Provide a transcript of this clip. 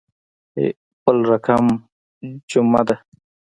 بل رقم جمعه دو.